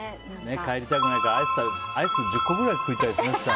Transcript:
帰りたくないからアイスってアイス１０個くらい食いたいですね。